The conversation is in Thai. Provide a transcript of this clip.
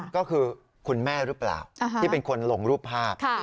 ก็คือคุณแม่หรือเปล่าที่เป็นคนลงรูปภาพ